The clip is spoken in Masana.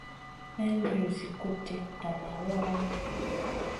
May liw zi kuɗ ɗi, nam ma waraŋu.